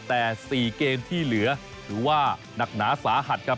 แต่๔เกมที่เหลือถือว่าหนักหนาสาหัสครับ